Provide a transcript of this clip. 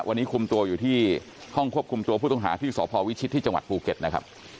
วันนี้คุมตัวอยู่ที่ห้องควบคุมตัวผู้ต้องหาที่สพวิชิตที่จังหวัดภูเก็ตนะครับ